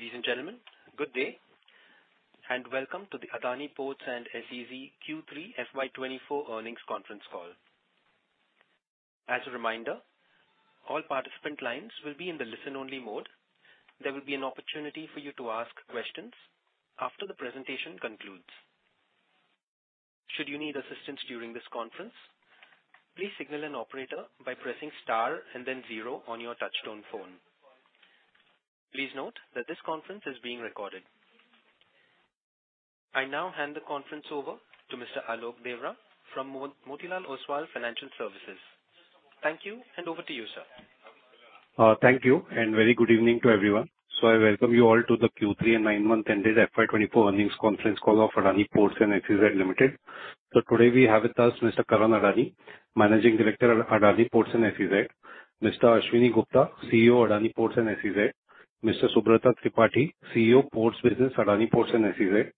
Ladies and gentlemen, good day, and welcome to the Adani Ports and SEZ Q3 FY 2024 earnings conference call. As a reminder, all participant lines will be in the listen-only mode. There will be an opportunity for you to ask questions after the presentation concludes. Should you need assistance during this conference, please signal an operator by pressing star and then zero on your touchtone phone. Please note that this conference is being recorded. I now hand the conference over to Mr. Alok Deora from Motilal Oswal Financial Services. Thank you, and over to you, sir. Thank you, and very good evening to everyone. I welcome you all to the Q3 and nine-month ended FY 2024 earnings conference call of Adani Ports and SEZ Limited. Today, we have with us Mr. Karan Adani, Managing Director at Adani Ports and SEZ; Mr. Ashwani Gupta, CEO, Adani Ports and SEZ; Mr. Subrat Tripathy, CEO Ports Business, Adani Ports and SEZ;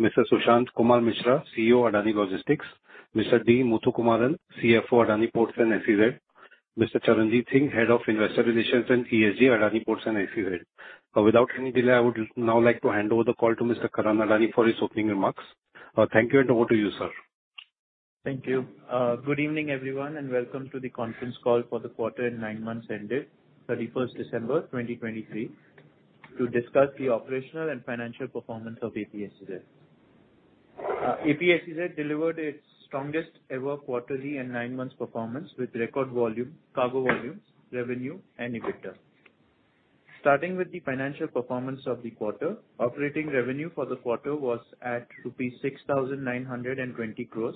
Mr. Sushant Kumar Mishra, CEO, Adani Logistics; Mr. D. Muthukumaran, CFO, Adani Ports and SEZ; Mr. Charanjit Singh, Head of Investor Relations and ESG, Adani Ports and SEZ. Without any delay, I would now like to hand over the call to Mr. Karan Adani for his opening remarks. Thank you, and over to you, sir. Thank you. Good evening, everyone, and welcome to the conference call for the quarter and nine months ended 31st December 2023, to discuss the operational and financial performance of APSEZ. APSEZ delivered its strongest ever quarterly and nine months performance, with record volume, cargo volumes, revenue and EBITDA. Starting with the financial performance of the quarter, operating revenue for the quarter was at rupees 6,920 crore,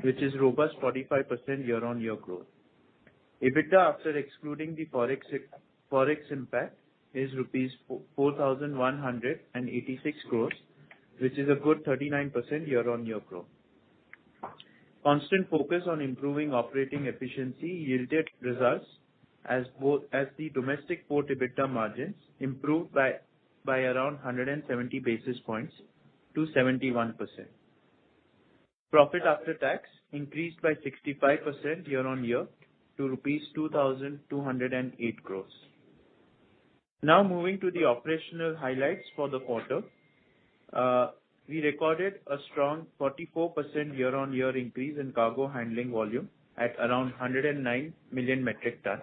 which is robust 45% year-on-year growth. EBITDA, after excluding the Forex impact, is rupees 4,186 crore, which is a good 39% year-on-year growth. Constant focus on improving operating efficiency yielded results, as both as the domestic port EBITDA margins improved by around 170 basis points to 71%. Profit after tax increased by 65% year-on-year to rupees 2,208 crore. Now moving to the operational highlights for the quarter. We recorded a strong 44% year-on-year increase in cargo handling volume at around 109 million metric tons.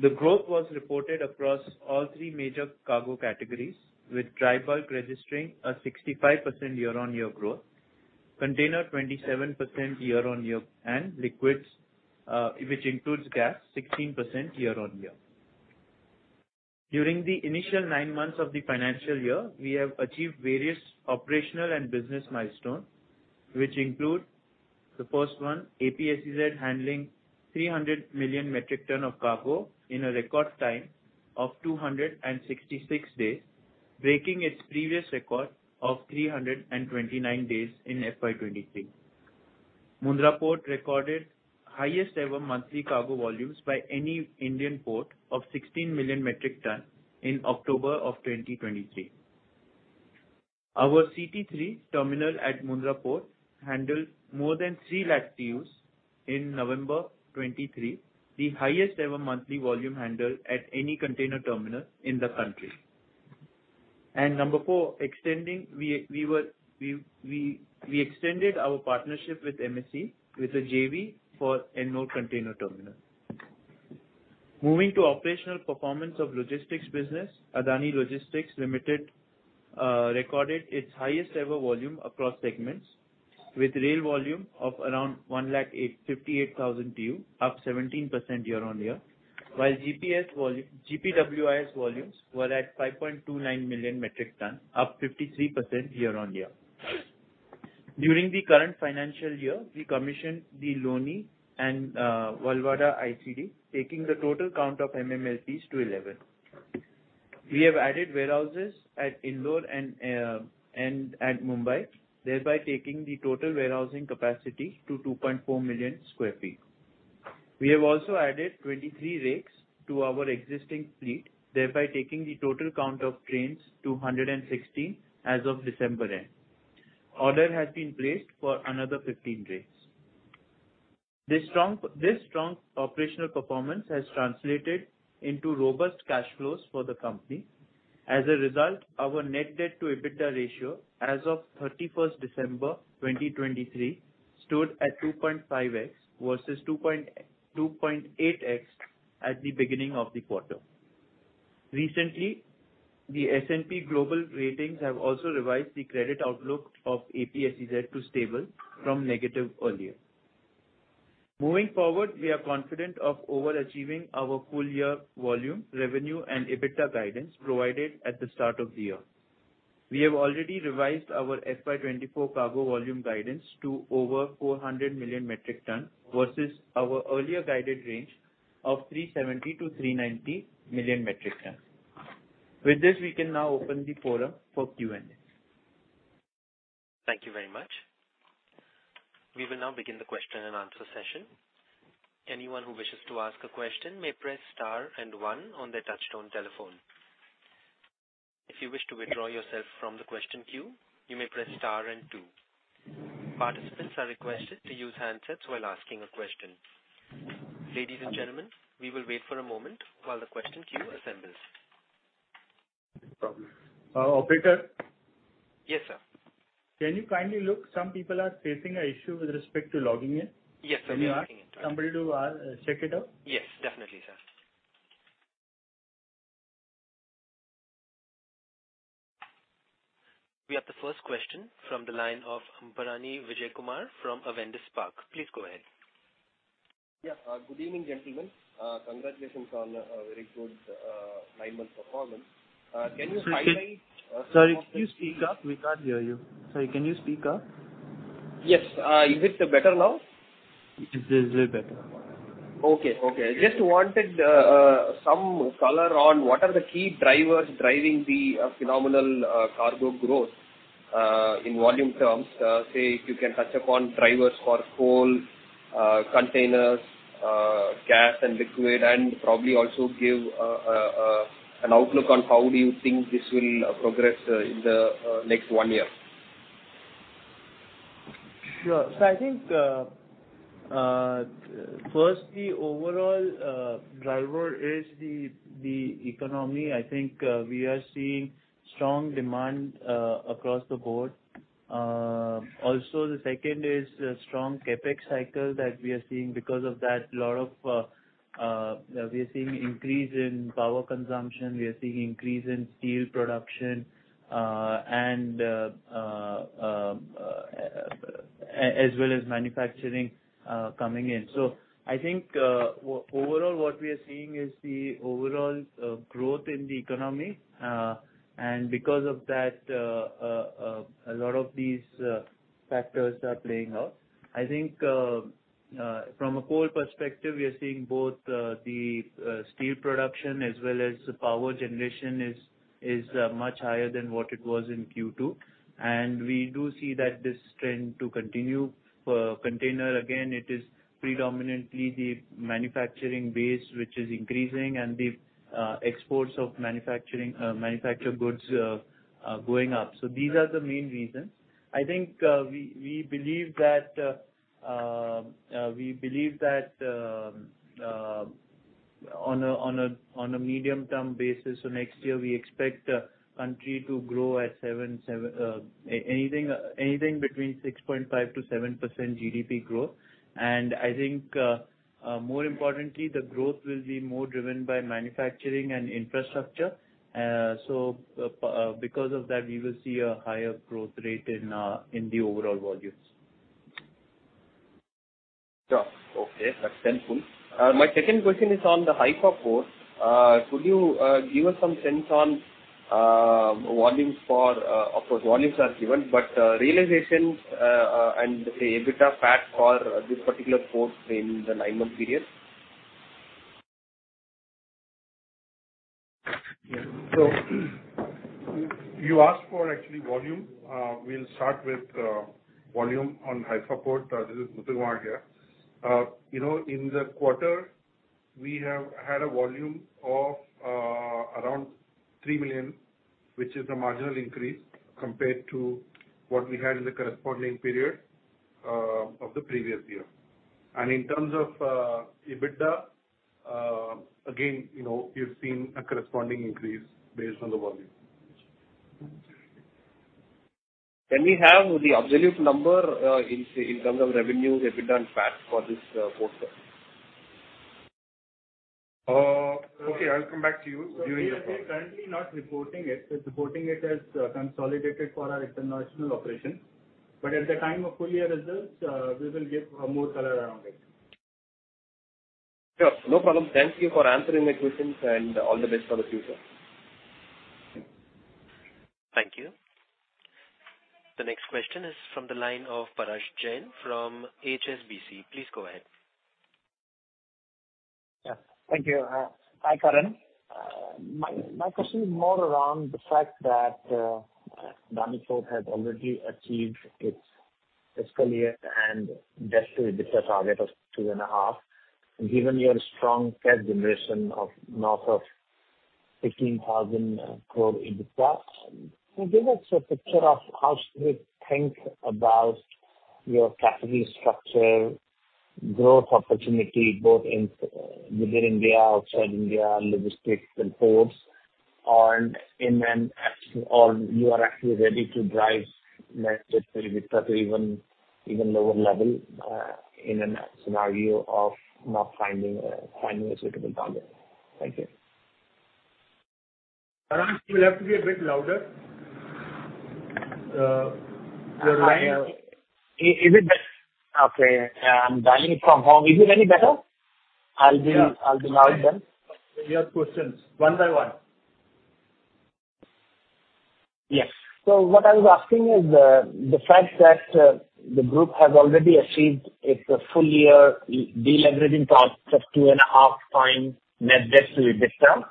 The growth was reported across all three major cargo categories, with dry bulk registering a 65% year-on-year growth, container 27% year-on-year, and liquids, which includes gas, 16% year-on-year. During the initial nine months of the financial year, we have achieved various operational and business milestones, which include: the first one, APSEZ handling 300 million metric tons of cargo in a record time of 266 days, breaking its previous record of 329 days in FY 2023. Mundra Port recorded highest ever monthly cargo volumes by any Indian port of 16 million metric ton in October of 2023. Our CT3 terminal at Mundra Port handled more than 300,000 TEUs in November 2023, the highest ever monthly volume handled at any container terminal in the country. And number four, we extended our partnership with MSC, with a JV for Ennore Container Terminal. Moving to operational performance of logistics business, Adani Logistics Limited recorded its highest ever volume across segments, with rail volume of around 185,800 TEU, up 17% year-on-year, while GPWIS volumes were at 5.29 million metric ton, up 53% year-on-year. During the current financial year, we commissioned the Loni and Valvada ICD, taking the total count of MMLPs to 11. We have added warehouses at Indore and and at Mumbai, thereby taking the total warehousing capacity to 2.4 million sq ft. We have also added 23 rakes to our existing fleet, thereby taking the total count of trains to 116 as of December end. Order has been placed for another 15 rakes. This strong operational performance has translated into robust cash flows for the company. As a result, our net debt to EBITDA ratio, as of 31 December 2023, stood at 2.5x versus 2.8x at the beginning of the quarter. Recently, the S&P Global Ratings have also revised the credit outlook of APSEZ to stable from negative earlier. Moving forward, we are confident of overachieving our full year volume, revenue and EBITDA guidance provided at the start of the year. We have already revised our FY 2024 cargo volume guidance to over 400 million metric tons, versus our earlier guided range of 370-390 million metric tons. With this, we can now open the forum for Q&A. Thank you very much. We will now begin the question and answer session. Anyone who wishes to ask a question may press star and one on their touchtone telephone. If you wish to withdraw yourself from the question queue, you may press star and two. Participants are requested to use handsets while asking a question. Ladies and gentlemen, we will wait for a moment while the question queue assembles. No problem. Operator? Yes, sir. Can you kindly look, some people are facing an issue with respect to logging in. Yes, let me ask. Somebody to check it out. Yes, definitely, sir. We have the first question from the line of Bharanidhar Vijayakumar from Avendus Spark. Please go ahead. Yeah. Good evening, gentlemen. Congratulations on a very good nine-month performance. Can you highlight- Sorry, can you speak up? We can't hear you. Sorry, can you speak up? Yes. Is it better now? It is a little better. Okay. Okay. Just wanted some color on what are the key drivers driving the phenomenal cargo growth in volume terms? Say, if you can touch upon drivers for coal, containers, gas and liquid, and probably also give an outlook on how do you think this will progress in the next one year. Sure. So I think, firstly, overall, driver is the, the economy. I think, we are seeing strong demand, across the board. Also, the second is a strong CapEx cycle that we are seeing. Because of that, a lot of, we are seeing increase in power consumption, we are seeing increase in steel production, and, as well as manufacturing, coming in. So I think, overall, what we are seeing is the overall, growth in the economy, and because of that, a lot of these, factors are playing out. I think, from a coal perspective, we are seeing both the steel production as well as the power generation is much higher than what it was in Q2, and we do see that this trend to continue. For container, again, it is predominantly the manufacturing base, which is increasing, and the exports of manufactured goods going up. So these are the main reasons. I think we believe that on a medium-term basis, so next year, we expect the country to grow at 7%... anything between 6.5%-7% GDP growth. And I think, more importantly, the growth will be more driven by manufacturing and infrastructure. So, because of that, we will see a higher growth rate in the overall volumes. Sure. Okay, that's helpful. My second question is on the Haifa Port. Could you give us some sense on volumes for, of course, volumes are given, but realizations, and the EBITDA path for this particular port in the nine-month period? Yeah. So you asked for, actually, volume. We'll start with volume on Haifa Port. This is Muthukumaran here. You know, in the quarter, we have had a volume of around 3 million, which is a marginal increase compared to what we had in the corresponding period of the previous year. And in terms of EBITDA, again, you know, you've seen a corresponding increase based on the volume. Can we have the absolute number in terms of revenue, EBITDA, and PAT for this port? Okay, I'll come back to you during the- We are currently not reporting it. We're reporting it as, consolidated for our international operations, but at the time of full year results, we will give, more color around it. Sure, no problem. Thank you for answering my questions, and all the best for the future. Thank you. The next question is from the line of Parash Jain from HSBC. Please go ahead. Yeah. Thank you. Hi, Karan. My question is more around the fact that Mundra Port has already achieved its FY net debt to EBITDA target of 2.5. And given your strong cash generation of north of 15,000 crore EBITDA, can you give us a picture of how should we think about your capital structure, growth opportunity, both within India, outside India, logistics and ports, or inorganic, or you are actually ready to drive net debt to EBITDA to even lower level in a scenario of not finding a suitable target? Thank you. Parag, you'll have to be a bit louder. Your line- I am... Is it better? Okay, I'm dialing from home. Is it any better? I'll be- Yeah. I'll be loud then. We have questions one by one. Yes. What I was asking is the fact that the group has already achieved its full year deleveraging targets of 2.5x net debt to EBITDA.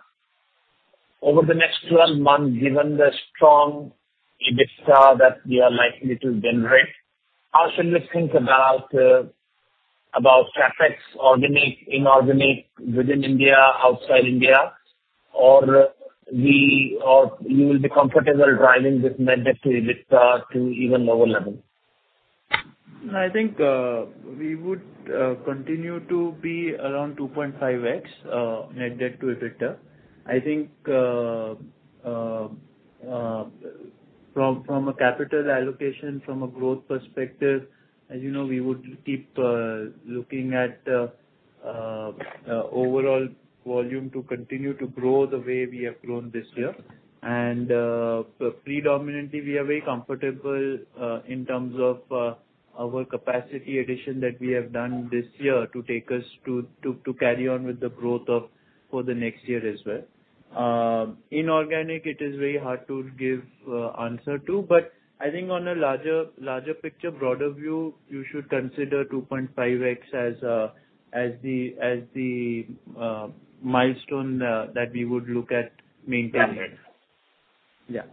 Over the next twelve months, given the strong EBITDA that we are likely to generate, how should we think about?... about traffic, organic, inorganic, within India, outside India, or we, you will be comfortable driving this Net Debt to EBITDA to even lower level? I think we would continue to be around 2.5x net debt to EBITDA. I think from a capital allocation, from a growth perspective, as you know, we would keep looking at overall volume to continue to grow the way we have grown this year. And predominantly, we are very comfortable in terms of our capacity addition that we have done this year to take us to carry on with the growth for the next year as well. Inorganic, it is very hard to give answer to, but I think on a larger picture, broader view, you should consider 2.5x as the milestone that we would look at maintaining. Yeah.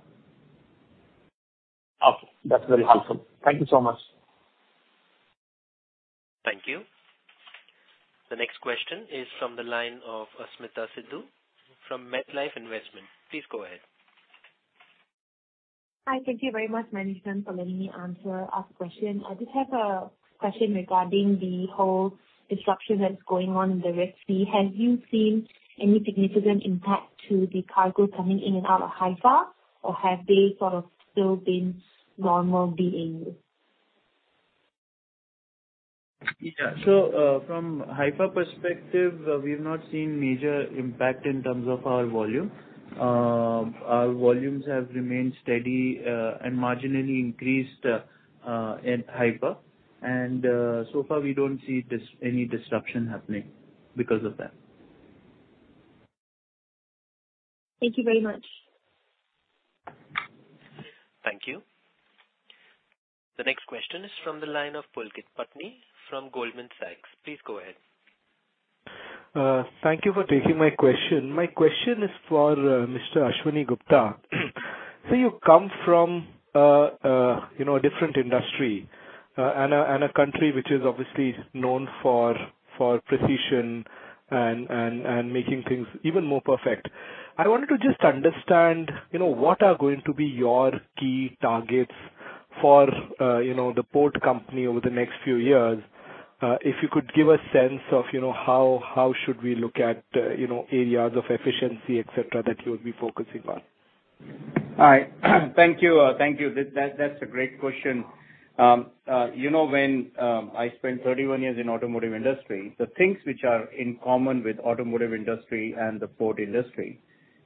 Awesome. That's very helpful. Thank you so much. Thank you. The next question is from the line of Asmeeta Sidhu from MetLife Investment. Please go ahead. Hi, thank you very much, management, for letting me ask a question. I just have a question regarding the whole disruption that's going on in the Red Sea. Have you seen any significant impact to the cargo coming in and out of Haifa, or have they sort of still been normal being? Yeah. So, from Haifa perspective, we've not seen major impact in terms of our volume. Our volumes have remained steady, and marginally increased, at Haifa. And, so far, we don't see any disruption happening because of that. Thank you very much. Thank you. The next question is from the line of Pulkit Patni from Goldman Sachs. Please go ahead. Thank you for taking my question. My question is for Mr. Ashwani Gupta. So you come from, you know, a different industry, and a country which is obviously known for precision and making things even more perfect. I wanted to just understand, you know, what are going to be your key targets for, you know, the port company over the next few years? If you could give a sense of, you know, how should we look at, you know, areas of efficiency, et cetera, that you would be focusing on? All right. Thank you, thank you. That's a great question. You know, when I spent 31 years in automotive industry, the things which are in common with automotive industry and the port industry,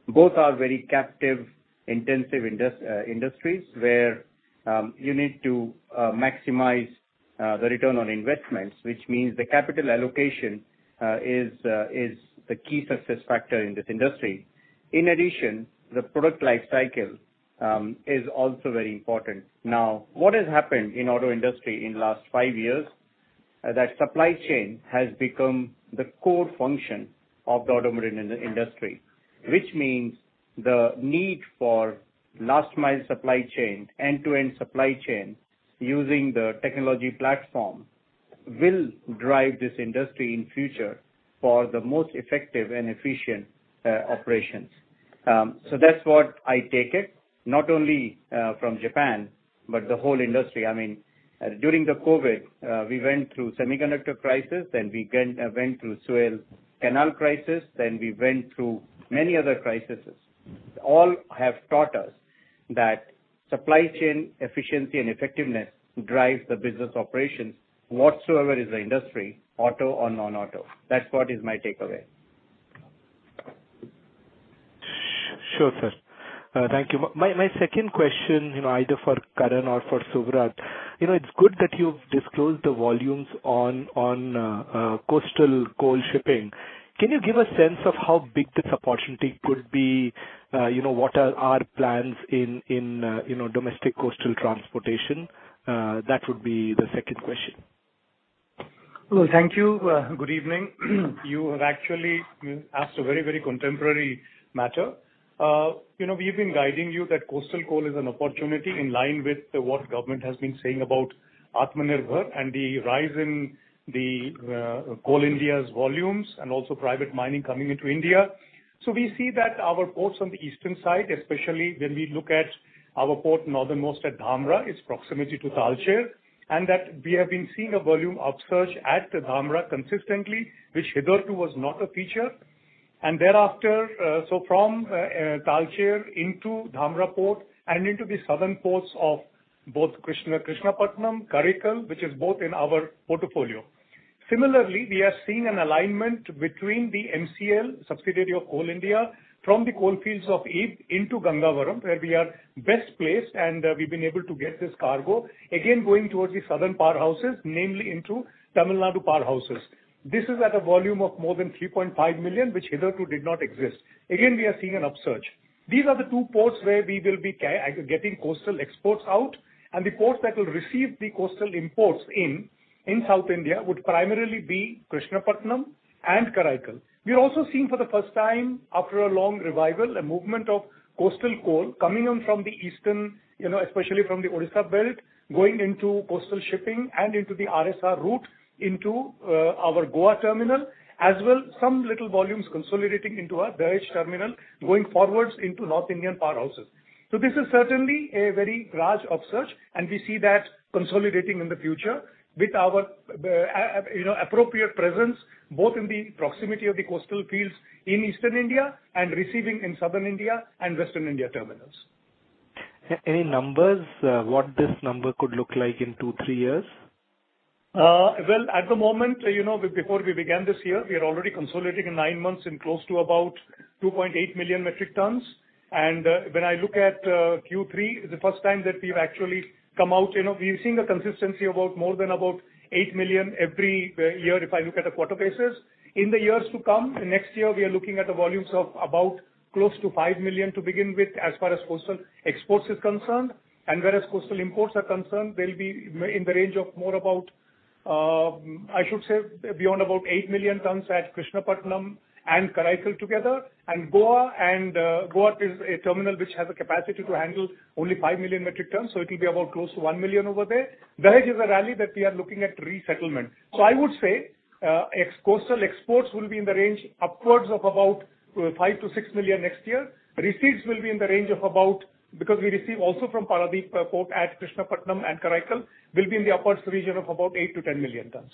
both are very capital intensive industries, where you need to maximize the return on investments. Which means the capital allocation is the key success factor in this industry. In addition, the product life cycle is also very important. Now, what has happened in auto industry in last five years, that supply chain has become the core function of the automotive industry. Which means the need for last mile supply chain, end-to-end supply chain, using the technology platform, will drive this industry in future for the most effective and efficient operations. That's what I take it, not only from Japan, but the whole industry. I mean, during the COVID, we went through semiconductor crisis, then we went through Suez Canal crisis, then we went through many other crises. All have taught us that supply chain efficiency and effectiveness drives the business operations, whatsoever is the industry, auto or non-auto. That's what is my takeaway. Sure, sir. Thank you. My, my second question, you know, either for Karan or for Subrat. You know, it's good that you've disclosed the volumes on coastal coal shipping. Can you give a sense of how big this opportunity could be? You know, what are our plans in domestic coastal transportation? That would be the second question. Well, thank you. Good evening. You have actually asked a very, very contemporary matter. You know, we've been guiding you that coastal coal is an opportunity in line with what government has been saying about Atmanirbhar, and the rise in the Coal India's volumes and also private mining coming into India. So we see that our ports on the eastern side, especially when we look at our port northernmost at Dhamra, its proximity to Talcher, and that we have been seeing a volume upsurge at Dhamra consistently, which hitherto was not a feature. And thereafter, so from Talcher into Dhamra Port and into the southern ports of both Krishnapatnam, Karaikal, which is both in our portfolio. Similarly, we have seen an alignment between the MCL, subsidiary of Coal India, from the coalfields of Ib into Gangavaram, where we are best placed, and we've been able to get this cargo. Again, going towards the southern powerhouses, namely into Tamil Nadu powerhouses. This is at a volume of more than 3.5 million, which hitherto did not exist. Again, we are seeing an upsurge. These are the two ports where we will be getting coastal exports out, and the ports that will receive the coastal imports in, in South India, would primarily be Krishnapatnam and Karaikal. We are also seeing for the first time, after a long revival, a movement of coastal coal coming on from the eastern, you know, especially from the Orissa Belt, going into coastal shipping and into the RSR route, into our Goa terminal, as well, some little volumes consolidating into our Dahej terminal, going forwards into North Indian powerhouses. So this is certainly a very large upsurge, and we see that consolidating in the future with our, you know, appropriate presence, both in the proximity of the coastal fields in Eastern India and receiving in Southern India and Western India terminals.... Any numbers, what this number could look like in two, three years? Well, at the moment, you know, before we began this year, we are already consolidating in nine months in close to about 2.8 million metric tons. And, when I look at Q3, it's the first time that we've actually come out. You know, we've seen a consistency about more than about 8 million every year if I look at a quarter basis. In the years to come, next year, we are looking at the volumes of about close to 5 million to begin with as far as coastal exports is concerned. And whereas coastal imports are concerned, they'll be in the range of more about, I should say beyond about 8 million tons at Krishnapatnam and Karaikal together. Goa is a terminal which has a capacity to handle only 5 million metric tons, so it will be about close to 1 million over there. Vizag is a rally that we are looking at resettlement. So I would say, ex-coastal exports will be in the range upwards of about, five to six million next year. Receipts will be in the range of about... Because we receive also from Paradip port at Krishnapatnam and Karaikal, will be in the upwards region of about 8-10 million tons.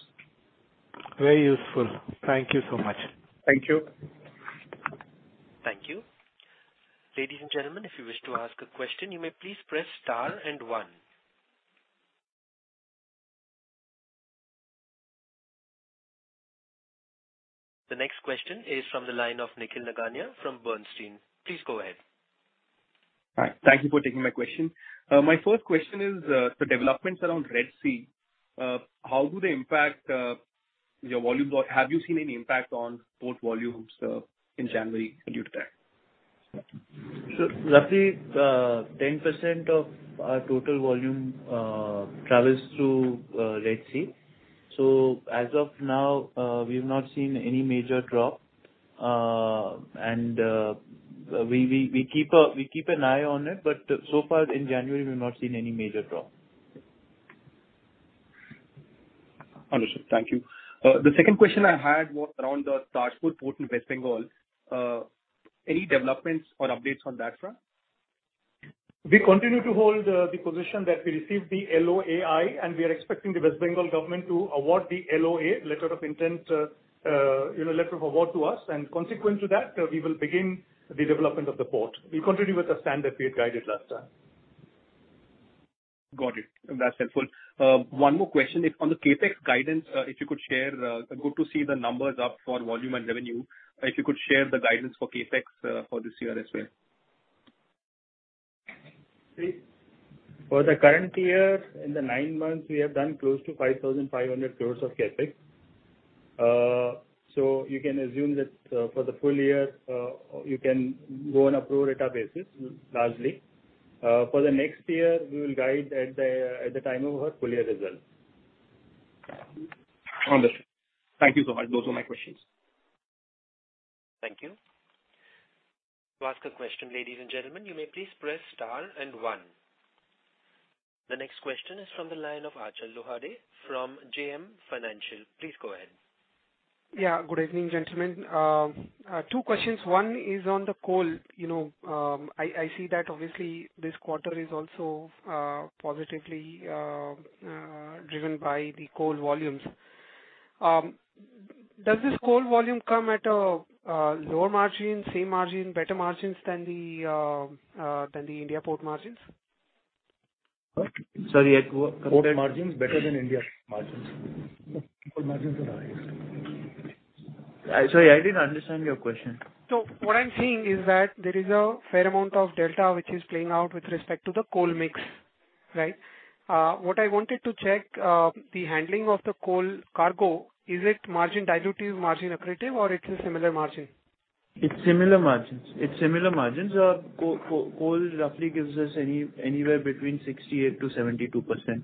Very useful. Thank you so much. Thank you. Thank you. Ladies and gentlemen, if you wish to ask a question, you may please press star and one. The next question is from the line of Nikhil Nigania from Bernstein. Please go ahead. Hi, thank you for taking my question. My first question is, the developments around Red Sea. How do they impact your volume? Or have you seen any impact on port volumes in January due to that? So roughly, 10% of our total volume travels through Red Sea. So as of now, we've not seen any major drop. And we keep an eye on it, but so far in January, we've not seen any major drop. Understood. Thank you. The second question I had was around the Tajpur Port in West Bengal. Any developments or updates on that front? We continue to hold the position that we received the LOAI, and we are expecting the West Bengal government to award the LOA, letter of intent, you know, letter of award to us. And consequent to that, we will begin the development of the port. We continue with the standard we had guided last time. Got it. That's helpful. One more question, it's on the CapEx guidance. If you could share, good to see the numbers up for volume and revenue. If you could share the guidance for CapEx, for this year as well. For the current year, in the nine months, we have done close to 5,500 crore of CapEx. So you can assume that, for the full year, you can go on a pro rata basis, largely. For the next year, we will guide at the time of our full year results. Understood. Thank you so much. Those are my questions. Thank you. To ask a question, ladies and gentlemen, you may please press star and one. The next question is from the line of Achal Lohade from JM Financial. Please go ahead. Yeah, good evening, gentlemen. Two questions. One is on the coal. You know, I see that obviously this quarter is also positively driven by the coal volumes. Does this coal volume come at a lower margin, same margin, better margins than the India port margins? Sorry, port margins better than India margins. Coal margins are higher. Sorry, I didn't understand your question. So what I'm seeing is that there is a fair amount of delta which is playing out with respect to the coal mix, right? What I wanted to check, the handling of the coal cargo, is it margin dilutive, margin accretive, or it's a similar margin? It's similar margins. It's similar margins. Coal roughly gives us anywhere between 68%-72%,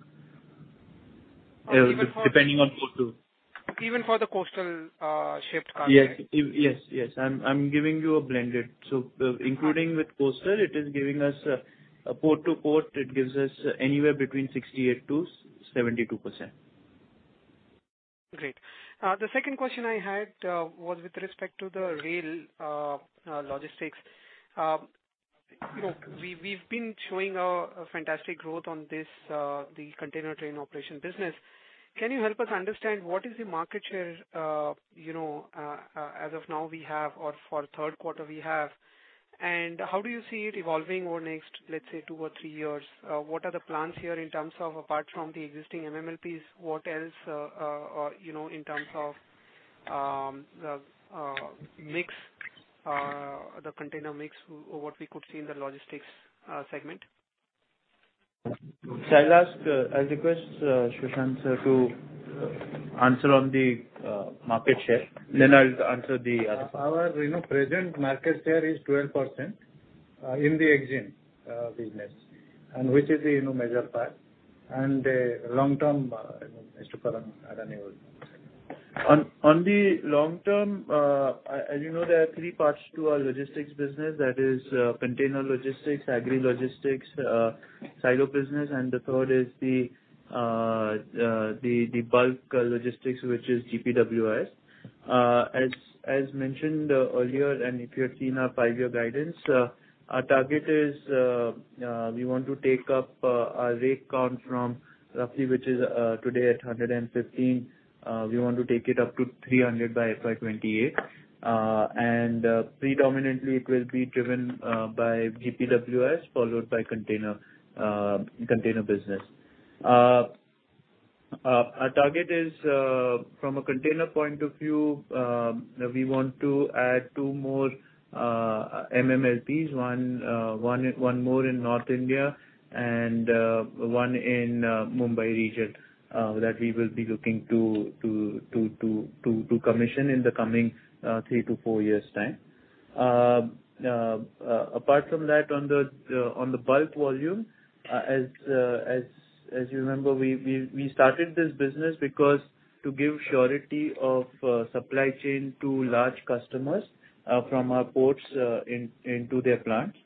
depending on port two. Even for the coastal shipped cargo? Yes, yes, yes, I'm giving you a blended. So including with coastal, it is giving us a port to port, it gives us anywhere between 68%-72%. Great. The second question I had was with respect to the rail logistics. You know, we, we've been showing a fantastic growth on this, the container train operation business. Can you help us understand what is the market share, you know, as of now we have or for third quarter we have? And how do you see it evolving over the next, let's say, two or three years? What are the plans here in terms of apart from the existing MMLPs, what else, you know, in terms of, the mix, the container mix, what we could see in the logistics segment? So I'll ask, I'll request Sushant, sir, to answer on the market share, then I'll answer the other part. Our, you know, present market share is 12% in the Exim business, and which is the, you know, major part and long term, you know, Mr. Karan Adani will answer. On the long term, as you know, there are three parts to our logistics business. That is, container logistics, agri logistics, silo business, and the third is the bulk logistics, which is GPWIS. As mentioned earlier, and if you have seen our five-year guidance, our target is, we want to take up our rake count from roughly, which is today at 115. We want to take it up to 300 by FY 2028. And, predominantly it will be driven by GPWIS, followed by container container business. Our target is, from a container point of view, we want to add two more MMLPs. One more in North India and one in Mumbai region that we will be looking to commission in the coming 3-4 years' time. Apart from that, on the bulk volume, as you remember, we started this business because to give surety of supply chain to large customers from our ports into their plants.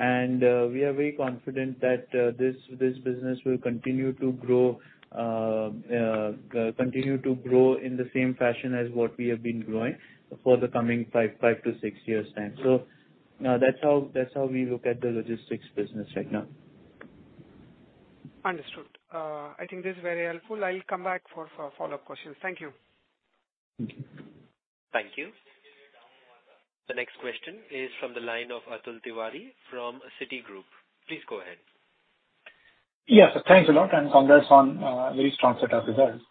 And we are very confident that this business will continue to grow in the same fashion as what we have been growing for the coming 5-6 years' time. So that's how we look at the logistics business right now. Understood. I think this is very helpful. I'll come back for follow-up questions. Thank you. Thank you. Thank you. The next question is from the line of Atul Tiwari from Citigroup. Please go ahead. Yes, thanks a lot, and congrats on very strong set of results.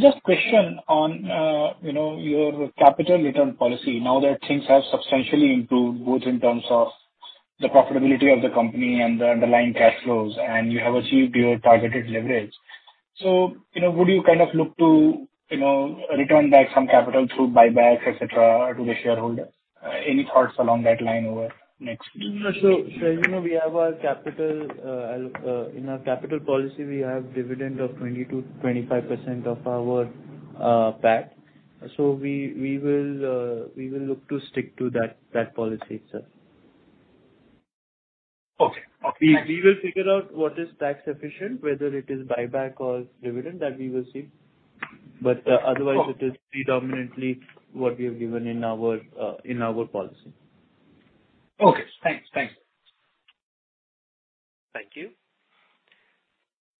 Just question on, you know, your capital return policy. Now that things have substantially improved, both in terms of the profitability of the company and the underlying cash flows, and you have achieved your targeted leverage. So, you know, would you kind of look to, you know, return back some capital through buybacks, et cetera, to the shareholder? Any thoughts along that line over the next year? So, you know, we have our capital policy. We have dividend of 20%-25% of our PAT. So we will look to stick to that policy itself. Okay, okay. We will figure out what is tax efficient, whether it is buyback or dividend, that we will see. Okay. Otherwise, it is predominantly what we have given in our policy. Okay, thanks. Thanks. Thank you.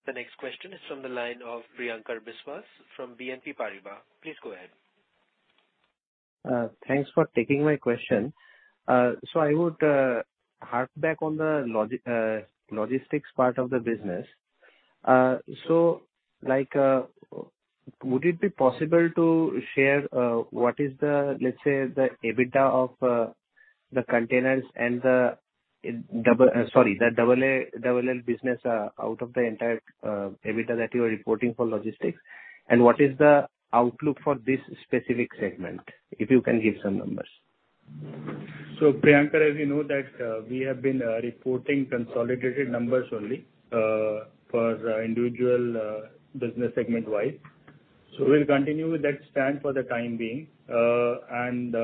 The next question is from the line of Priyanka Biswas from BNP Paribas. Please go ahead. Thanks for taking my question. So I would hark back on the logistics part of the business. So, like, would it be possible to share what is the, let's say, the EBITDA of the containers and the double... Sorry, the AALL business out of the entire EBITDA that you are reporting for logistics? And what is the outlook for this specific segment, if you can give some numbers? So, Priyanka, as you know, that we have been reporting consolidated numbers only for individual business segment-wise. So we'll continue with that stand for the time being. And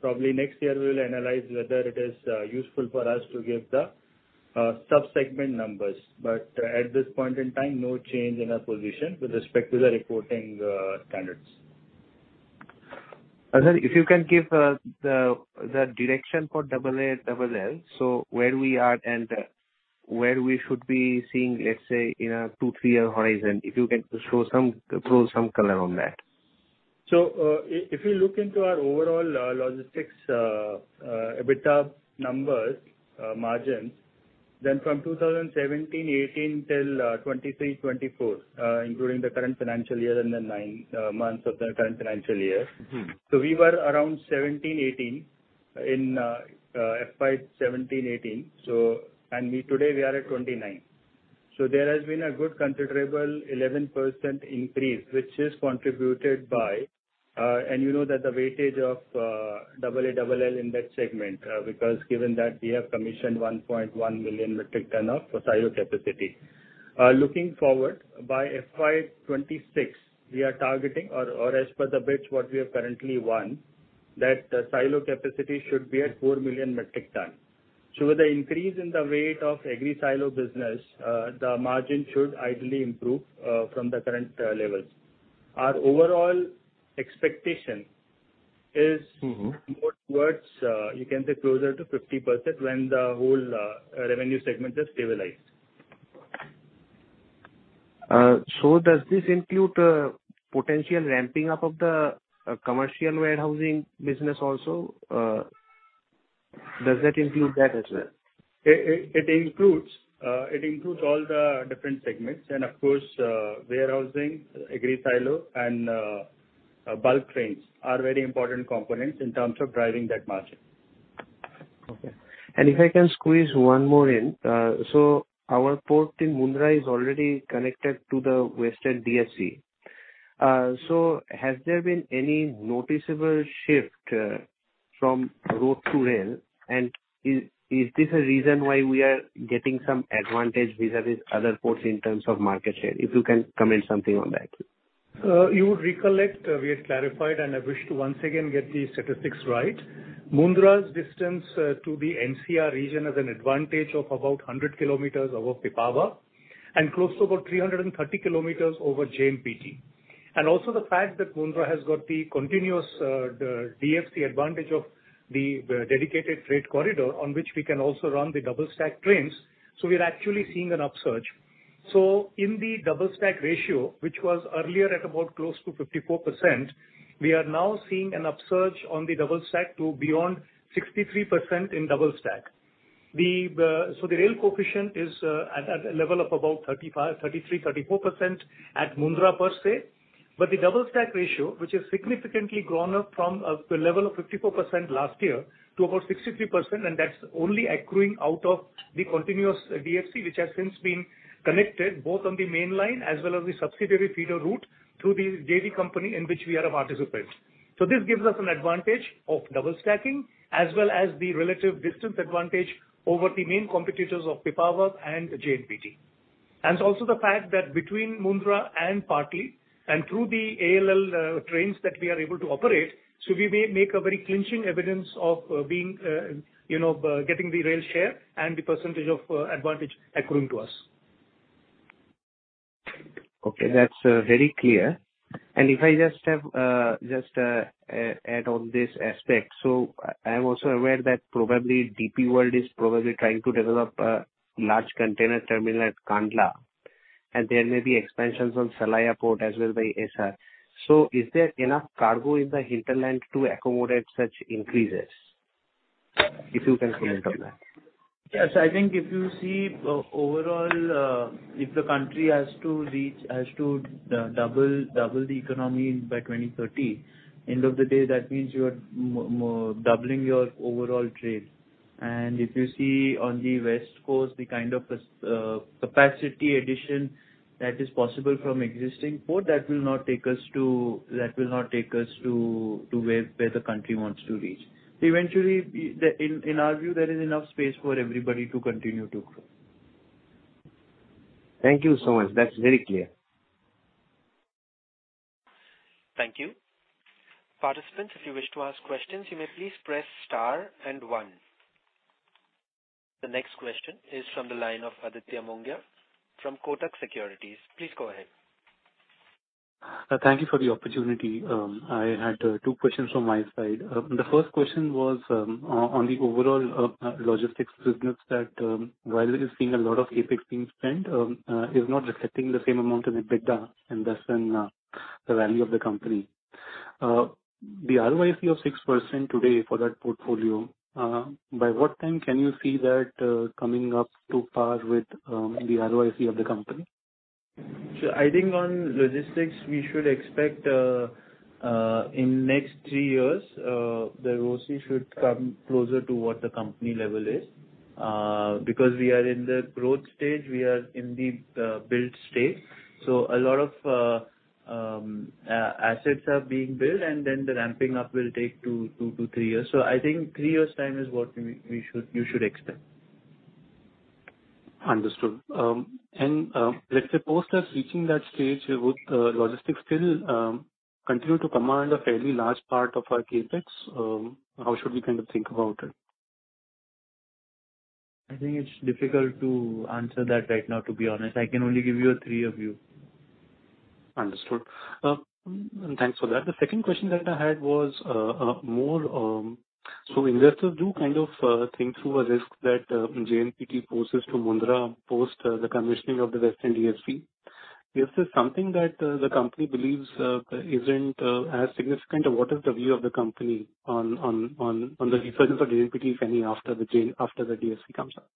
probably next year, we'll analyze whether it is useful for us to give the sub-segment numbers. But at this point in time, no change in our position with respect to the reporting standards. And then if you can give the direction for AALL, so where we are and where we should be seeing, let's say, in a 2-3-year horizon, if you can show some, throw some color on that. So, if you look into our overall logistics EBITDA numbers, margins, then from 2017-18 till 2023-24, including the current financial year and the nine months of the current financial year- Mm-hmm. So we were around 17-18 in FY 2017-2018, so and we today we are at 29. So there has been a good considerable 11% increase, which is contributed by... And you know that the weightage of AALL in that segment, because given that we have commissioned 1.1 million metric ton of silo capacity. Looking forward, by FY 2026, we are targeting or, or as per the bids, what we have currently won, that the silo capacity should be at 4 million metric ton. So with the increase in the weight of agri silo business, the margin should ideally improve from the current levels. Our overall expectation is- Mm-hmm. -more towards, you can say closer to 50% when the whole revenue segment is stabilized. So, does this include potential ramping up of the commercial warehousing business also? Does that include that as well? It includes all the different segments and of course, warehousing, agri silo, and bulk trains are very important components in terms of driving that margin. Okay. And if I can squeeze one more in. So our port in Mundra is already connected to the western DFC. So has there been any noticeable shift from road to rail? And is this a reason why we are getting some advantage vis-a-vis other ports in terms of market share? If you can comment something on that. You would recollect, we had clarified, and I wish to once again get the statistics right. Mundra's distance to the NCR region has an advantage of about 100 kilometers over Pipavav and close to about 330 kilometers over JNPT. And also the fact that Mundra has got the continuous, the DFC advantage of the, the dedicated trade corridor on which we can also run the double stack trains, so we are actually seeing an upsurge. So in the double stack ratio, which was earlier at about close to 54%, we are now seeing an upsurge on the double stack to beyond 63% in double stack. The rail coefficient is at a level of about 35%, 33%-34% at Mundra per se. But the double stack ratio, which has significantly grown up from the level of 54% last year to about 63%, and that's only accruing out of the continuous DFC, which has since been connected both on the main line as well as the subsidiary feeder route through the railway company in which we are a participant. So this gives us an advantage of double stacking, as well as the relative distance advantage over the main competitors of Pipavav and JNPT. And also the fact that between Mundra and Patli, and through the AALL trains that we are able to operate, so we may make a very clinching evidence of being, you know, getting the rail share and the percentage of advantage accruing to us. Okay, that's very clear. And if I just have just add on this aspect. So I, I'm also aware that probably DP World is probably trying to develop a large container terminal at Kandla, and there may be expansions on Salaya Port as well by Essar. So is there enough cargo in the hinterland to accommodate such increases? If you can comment on that. Yes, I think if you see overall, if the country has to double the economy by 2030, end of the day, that means you are doubling your overall trade. And if you see on the West Coast, the kind of capacity addition that is possible from existing port, that will not take us to where the country wants to reach. Eventually, in our view, there is enough space for everybody to continue to grow. Thank you so much. That's very clear. Thank you. Participants, if you wish to ask questions, you may please press star and one. The next question is from the line of Aditya Mongia from Kotak Securities. Please go ahead. Thank you for the opportunity. I had two questions from my side. The first question was on the overall logistics business that, while it is seeing a lot of CapEx being spent, is not reflecting the same amount in EBITDA and thus in the value of the company. The ROIC of 6% today for that portfolio, by what time can you see that coming up to par with the ROIC of the company? So I think on logistics, we should expect in next 3 years the ROIC should come closer to what the company level is. Because we are in the growth stage, we are in the build stage. So a lot of assets are being built, and then the ramping up will take 2-3 years. So I think 3 years time is what we should, you should expect. Understood. Let's say post that, reaching that stage, would logistics still continue to command a fairly large part of our CapEx? How should we kind of think about it? I think it's difficult to answer that right now, to be honest. I can only give you a three-year view. Understood. And thanks for that. The second question that I had was more... So investors do kind of think through a risk that JNPT poses to Mundra post the commissioning of the Western DFC. Is this something that the company believes isn't as significant, or what is the view of the company on the risks for JNPT, if any, after the DFC comes up?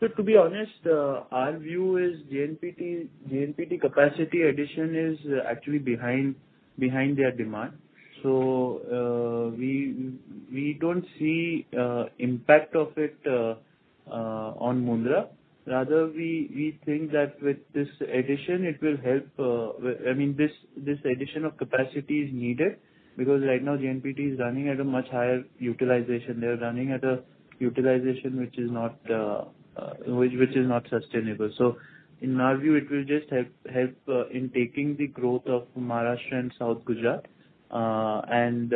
So to be honest, our view is JNPT capacity addition is actually behind their demand. So, we don't see impact of it on Mundra. Rather, we think that with this addition, it will help. I mean, this addition of capacity is needed because right now, JNPT is running at a much higher utilization. They're running at a utilization which is not sustainable. So in our view, it will just help in taking the growth of Maharashtra and South Gujarat. And,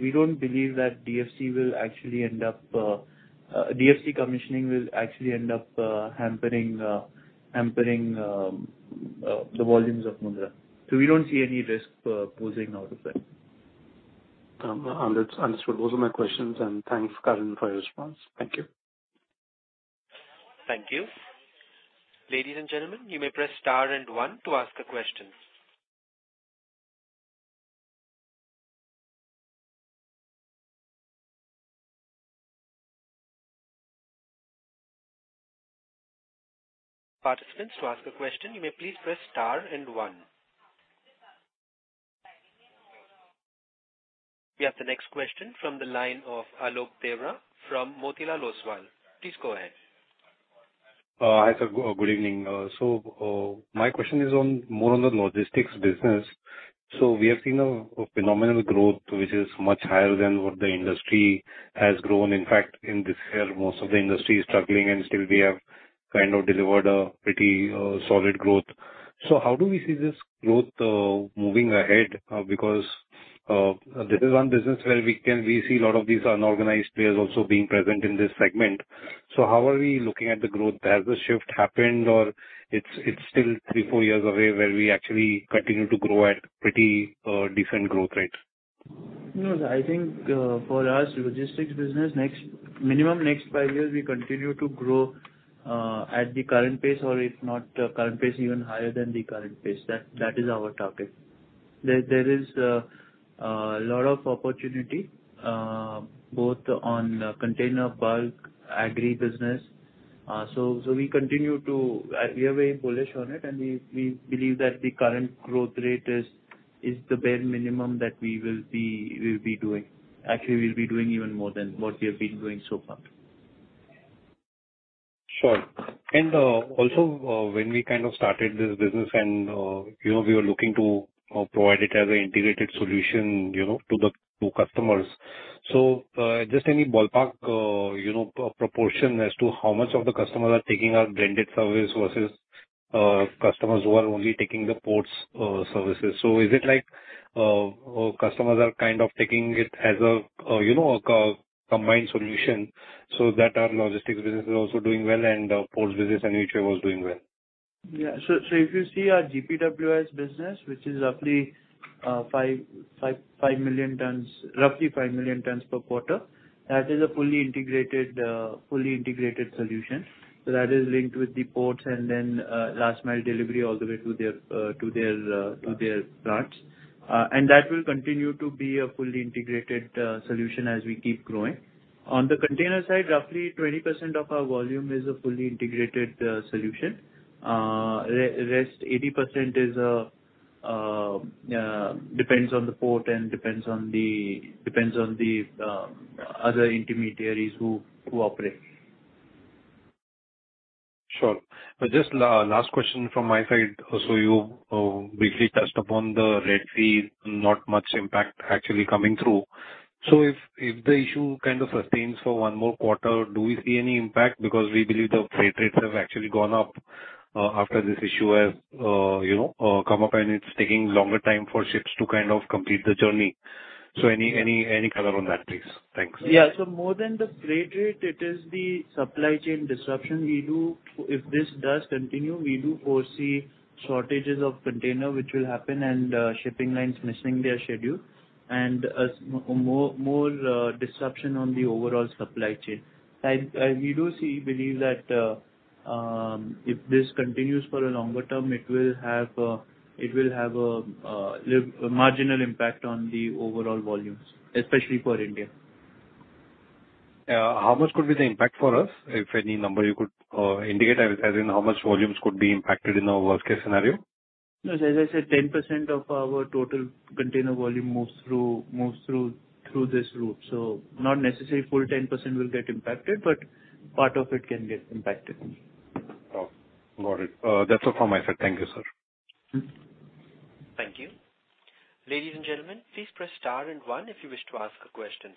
we don't believe that DFC commissioning will actually end up hampering the volumes of Mundra. So we don't see any risk posing out of it. Understood. Those are my questions, and thanks, Karan, for your response. Thank you. Thank you. Ladies and gentlemen, you may press star and one to ask a question. Participants, to ask a question, you may please press star and one. We have the next question from the line of Alok Deora from Motilal Oswal. Please go ahead. Hi, sir. Good evening. So, my question is on more on the logistics business. So we have seen a phenomenal growth, which is much higher than what the industry has grown. In fact, in this year, most of the industry is struggling, and still we have kind of delivered a pretty, solid growth. So how do we see this growth, moving ahead? Because, this is one business where we can -- we see a lot of these unorganized players also being present in this segment. So how are we looking at the growth? Has the shift happened, or it's still three, four years away, where we actually continue to grow at pretty, decent growth rate? No, I think for us, logistics business, next, minimum next five years, we continue to grow at the current pace, or if not, current pace, even higher than the current pace. That is our target. There is a lot of opportunity both on the container bulk agri business. So we continue to, we are very bullish on it, and we believe that the current growth rate is the bare minimum that we will be, we'll be doing. Actually, we'll be doing even more than what we have been doing so far. Sure. And, also, when we kind of started this business and, you know, we were looking to provide it as an integrated solution, you know, to the customers. So, just any ballpark, you know, proportion as to how much of the customers are taking our blended service versus, customers who are only taking the ports services. So is it like, customers are kind of taking it as a, you know, a combined solution so that our logistics business is also doing well, and our ports business and HRA was doing well? Yeah. So if you see our GPWIS business, which is roughly 5 million tons per quarter, that is a fully integrated solution. So that is linked with the ports and then last mile delivery all the way to their plants. And that will continue to be a fully integrated solution as we keep growing. On the container side, roughly 20% of our volume is a fully integrated solution. Rest 80% depends on the port and depends on the other intermediaries who operate. Sure. But just last question from my side. So you briefly touched upon the Red Sea, not much impact actually coming through. So if the issue kind of sustains for one more quarter, do we see any impact? Because we believe the freight rates have actually gone up after this issue has come up, and it's taking longer time for ships to kind of complete the journey. So any color on that, please? Thanks. Yeah. So more than the freight rate, it is the supply chain disruption. If this does continue, we do foresee shortages of container, which will happen, and shipping lines missing their schedule, and more disruption on the overall supply chain. We do see, believe that if this continues for a longer term, it will have marginal impact on the overall volumes, especially for India. How much could be the impact for us? If any number you could indicate, as in how much volumes could be impacted in a worst-case scenario? No, as I said, 10% of our total container volume moves through this route, so not necessarily full 10% will get impacted, but part of it can get impacted. Oh, got it. That's all from my side. Thank you, sir. Thank you. Ladies and gentlemen, please press star and one if you wish to ask a question.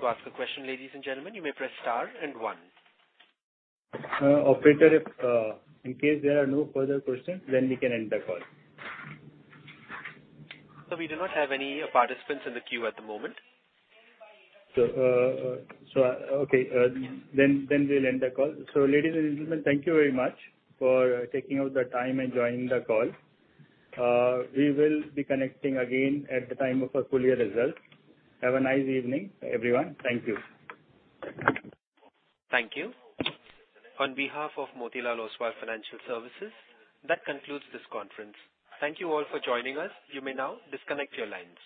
To ask a question, ladies and gentlemen, you may press star and one. Operator, if in case there are no further questions, then we can end the call. Sir, we do not have any participants in the queue at the moment. So, okay, then we'll end the call. So, ladies and gentlemen, thank you very much for taking out the time and joining the call. We will be connecting again at the time of our full year results. Have a nice evening, everyone. Thank you. Thank you. On behalf of Motilal Oswal Financial Services, that concludes this conference. Thank you all for joining us. You may now disconnect your lines.